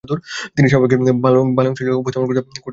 তিনি স্বাভাবিক বোলিংশৈলী উপস্থাপন করতে পারছিলেন না।